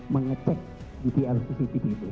mengecek di cctv itu